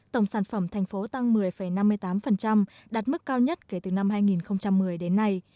tổng sản phẩm thành phố tăng một mươi năm mươi tám đạt mức cao nhất kể từ năm hai nghìn một mươi đến nay